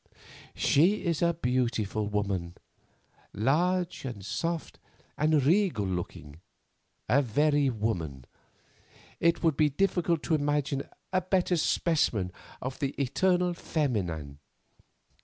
She is a beautiful woman; large and soft and regal looking, a very woman; it would be difficult to imagine a better specimen of 'the eternal feminine.